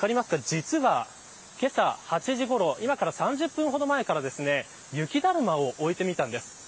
実はけさ８時ごろ今から３０分ほど前から雪だるまを置いてみたんです。